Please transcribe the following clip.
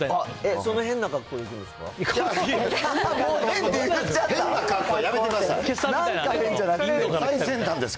そのへんな格好で行くんですか？